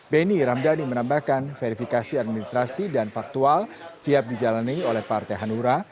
beni ramdhani menambahkan verifikasi administrasi dan faktual siap dijalani oleh partai hanura